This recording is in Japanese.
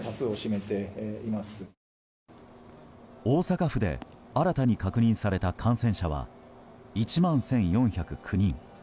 大阪府で新たに確認された感染者は１万１４０９人。